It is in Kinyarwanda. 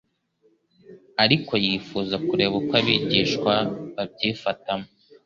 Ariko yifuza kureba uko abigishwa babyifatamo.